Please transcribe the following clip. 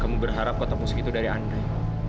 kamu berharap kau temus gitu dari andrei